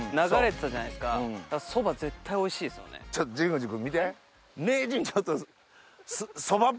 ちょっと神宮寺君見て。